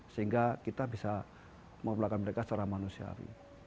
sehingga kita bisa memperlakukan mereka secara manusiawi